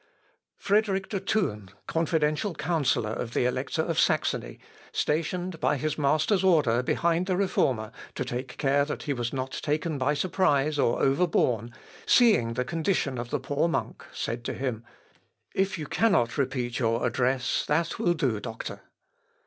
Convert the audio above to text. Frederick de Thun, confidential counsellor of the Elector of Saxony, stationed by his master's order behind the Reformer, to take care that he was not taken by surprise or overborne, seeing the condition of the poor monk, said to him, "If you cannot repeat your address, that will do, doctor."